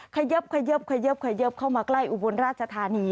เขยับเขยับเขยับเขยับเข้ามาใกล้อุบลราชธานี